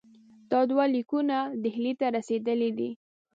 دا دوه لیکونه ډهلي ته رسېدلي دي.